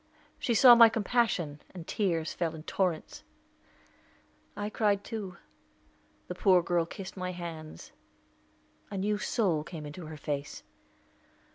She saw my compassion, and tears fell in torrents; I cried too. The poor girl kissed my hands; a new soul came into her face.